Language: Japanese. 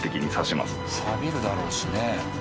さびるだろうしね。